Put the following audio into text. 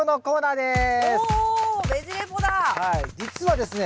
実はですね